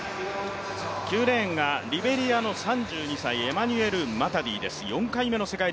９レーンがリベリアの３２歳、エマニュエル・マタディです。